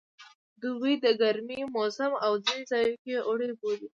دوبی د ګرمي موسم دی او ځینې ځایو کې اوړی بولي